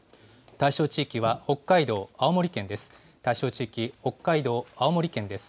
対象地域は北海道、青森県です。